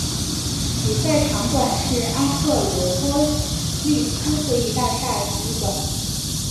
比赛场馆是阿克罗波利斯会议大厦体育馆。